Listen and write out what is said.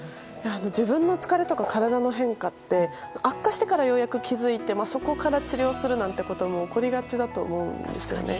自分の疲れとか、体の変化って悪化してからようやく気付いてそこから治療するなんてことは起こりがちだと思うんですよね。